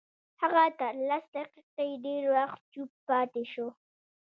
هغه تر لس دقيقې ډېر وخت چوپ پاتې شو.